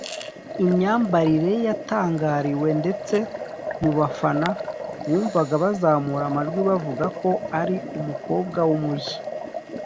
Imyambarire ye yatangariwe ndetse mu bafana wumvaga bazamura amajwi bavuga ko ’ari umukobwa w’umujyi’